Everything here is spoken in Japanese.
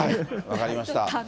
分かりました。